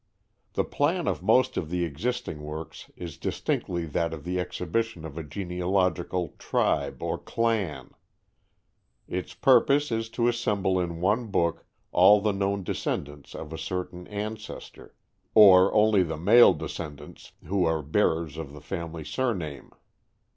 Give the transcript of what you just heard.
The plan of most of the existing works is distinctly that of the exhibition of a genealogical tribe or clan. Its purpose is to assemble in one book all the known descendants of a certain ancestor, or only the male descendants who are bearers of the family surname.